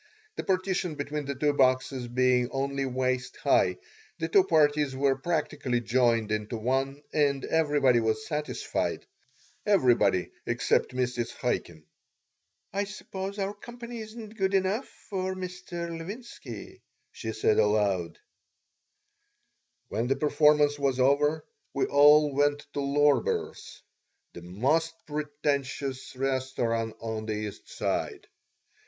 The partition between the two boxes being only waist high, the two parties were practically joined into one and everybody was satisfied everybody except Mrs. Chaikin "I suppose our company isn't good enough for Mr. Levinsky," she said, aloud When the performance was over we all went to Lorber's the most pretentious restaurant on the East Side.